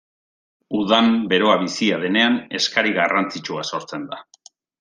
Udan beroa bizia denean eskari garrantzitsua sortzen da.